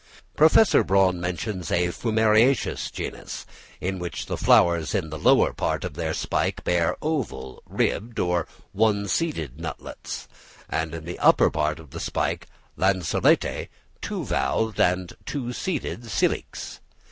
Professor Braun mentions a Fumariaceous genus, in which the flowers in the lower part of the spike bear oval, ribbed, one seeded nutlets; and in the upper part of the spike, lanceolate, two valved and two seeded siliques.